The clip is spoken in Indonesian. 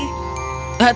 tidak tunggu aku ingin pergi